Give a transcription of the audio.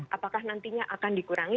apakah nantinya akan dikurangi